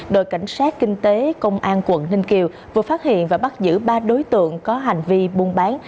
đội cảnh sát kinh tế công an quận ninh kiều vừa phát hiện và bắt giữ ba đối tượng có hành vi buôn bán